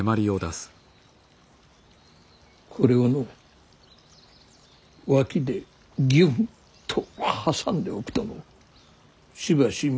これをの脇でぎゅんっと挟んでおくとのしばし脈が止まるのだ。